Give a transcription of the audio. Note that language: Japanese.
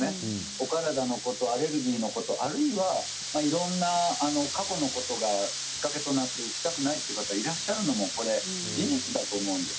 お体のことアレルギーのことあるいはいろいろな過去のことがきっかけとなって打ちたくないという方がいらっしゃるのも事実だと思うんです。